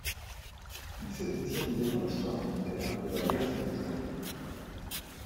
Il s'est spécialisé dans l'histoire militaire et la guerre civile espagnole.